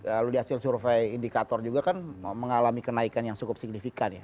lalu di hasil survei indikator juga kan mengalami kenaikan yang cukup signifikan ya